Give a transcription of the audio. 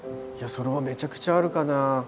それはめちゃくちゃあるかな。